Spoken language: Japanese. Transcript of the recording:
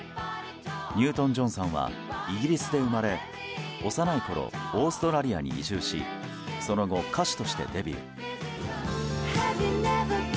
ニュートン・ジョンさんはイギリスで生まれ幼いころオーストラリアに移住しその後、歌手としてデビュー。